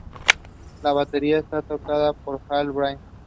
La batería está tocada por Hal Blaine.